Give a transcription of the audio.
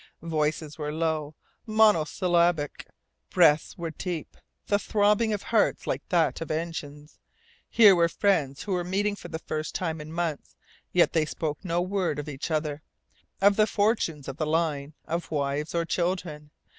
Voices were low, monosyllabic; breaths were deep, the throbbing of hearts like that of engines. Here were friends who were meeting for the first time in months, yet they spoke no word of each other, of the fortunes of the "line," of wives or children.